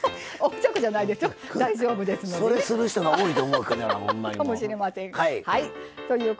それする人が多いと思うけど。